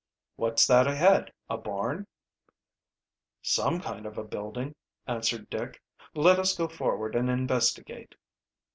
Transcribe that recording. "What's that ahead, a barn?" "Some kind of a building," answered Dick. "Let us go forward and investigate."